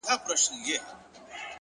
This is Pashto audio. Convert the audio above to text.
هره تجربه د پوهې نوی اړخ څرګندوي!.